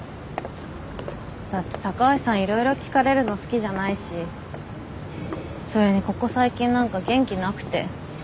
だって高橋さんいろいろ聞かれるの好きじゃないしそれにここ最近何か元気なくて。